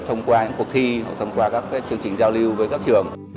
thông qua những cuộc thi thông qua các chương trình giao lưu với các trường